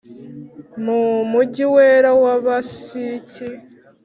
mu mugi wera w’abasiki